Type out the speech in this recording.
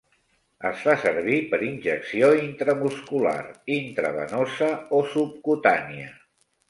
Es fa servir per injecció intramuscular, intravenosa o subcutània.